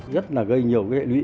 rất là gây nhiều hệ lụy